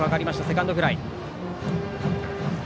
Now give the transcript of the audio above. セカンドフライ。